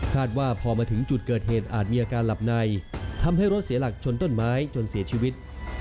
ว่าพอมาถึงจุดเกิดเหตุอาจมีอาการหลับในทำให้รถเสียหลักชนต้นไม้จนเสียชีวิต